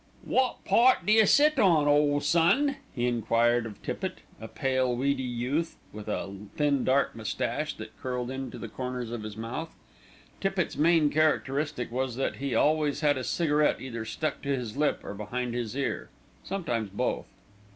"Wot part d'you sit on, ole son?" he enquired of Tippitt, a pale, weedy youth, with a thin dark moustache that curled into the corners of his mouth. Tippitt's main characteristic was that he always had a cigarette either stuck to his lip or behind his ear. Sometimes both.